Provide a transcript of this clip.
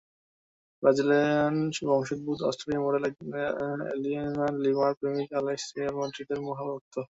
Brazilian বংশোদ্ভূত অস্ট্রেলীয় model Aline লিমার প্রেমিক অ্যালেক্স রিয়াল মাদ্রিদের মহা ভক্ত।